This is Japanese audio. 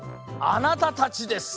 あなたたちです！